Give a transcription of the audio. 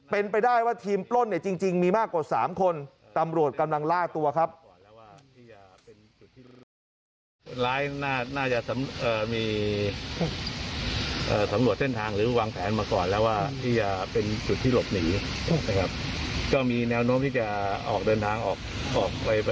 เป็นไปได้ว่าทีมปล้นเนี่ยจริงมีมากกว่า๓คนตำรวจกำลังล่าตัวครับ